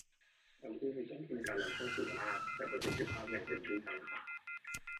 ทั้งคู่มีต้นทุนการนำเข้าสูงมาก แต่ประสิทธิภาพยังเป็นที่กังขา